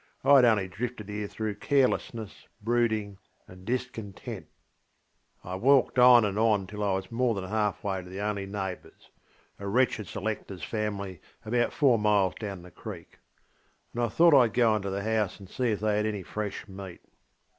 I had only drifted here through carelessness, brooding, and discontent. I walked on and on till I was more than half way to the only neighboursŌĆö a wretched selectorŌĆÖs family, about four miles down the creek, ŌĆö and I thought IŌĆÖd go on to the house and see if they had any fresh meat.